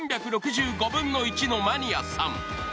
３６５分の１のマニアさん」